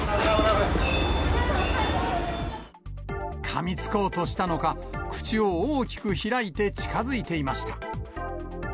かみつこうとしたのか、口を大きく開いて近づいていました。